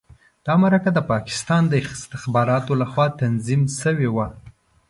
دا مرکه د پاکستان د استخباراتو لخوا تنظیم شوې وه.